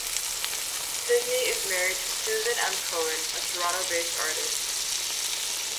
Sidney is married to Susan M. Cohen, a Toronto-based artist.